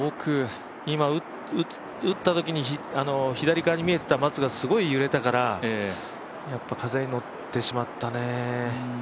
今、打ったときに左側に見えていた松が、すごい揺れたからやっぱ、風に乗ってしまったね。